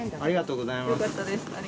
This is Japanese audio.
ありがとうございます。